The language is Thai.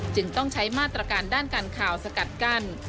จึงต้องใช้มาตรการด้านการข่าวสกัดกั้น